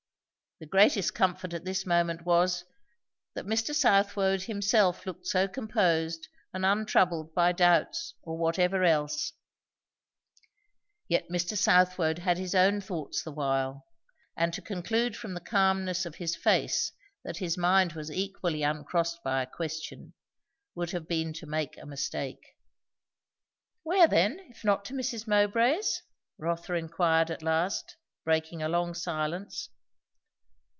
The greatest comfort at this moment was, that Mr. Southwode himself looked so composed and untroubled by doubts or whatever else. Yet Mr. Southwode had his own thoughts the while; and to conclude from the calmness of his face that his mind was equally uncrossed by a question, would have been to make a mistake. "Where then, if not to Mrs. Mowbray's?" Rotha inquired at last, breaking a long silence.